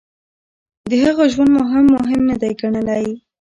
د هغه ژوند مو هم مهم نه دی ګڼلی.